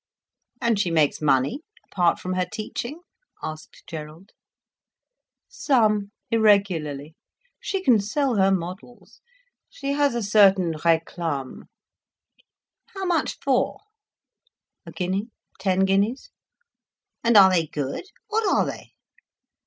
"And she makes money, apart from her teaching?" asked Gerald. "Some—irregularly. She can sell her models. She has a certain réclame." "How much for?" "A guinea, ten guineas." "And are they good? What are they?"